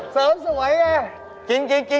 เสิร์ฟสวยไง